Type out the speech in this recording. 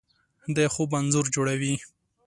د خوب انځور جوړوي